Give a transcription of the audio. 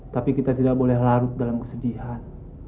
tapi kita tidak boleh larut dalam kesedihan